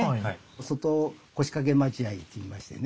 外腰掛待合って言いましてね